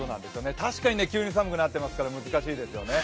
確かに急に寒くなっていますから難しいですね。